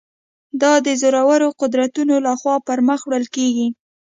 دا د زورورو قدرتونو له خوا پر مخ وړل کېږي.